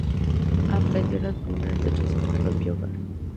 Aprendió las primeras letras en su propio hogar.